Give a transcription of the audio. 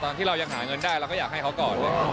ที่เรายังหาเงินได้เราก็อยากให้เขาก่อน